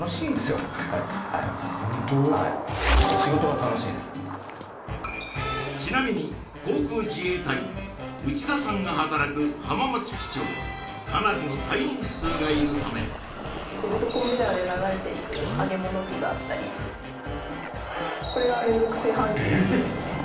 はいちなみに航空自衛隊内田さんが働く浜松基地はかなりの隊員数がいるためベルトコンベアで流れていく揚げ物機があったりこれが連続炊飯器ですね